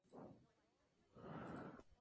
La piel es gruesa.